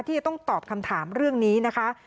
ที่จะต้องตอบคำถามเรื่องนี้นะคะ